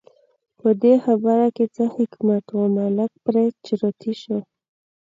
په دې خبره کې څه حکمت و، ملک پرې چرتي شو.